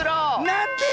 なんで⁉